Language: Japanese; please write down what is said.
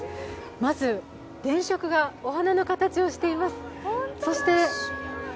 まず電飾がお花の形をしています。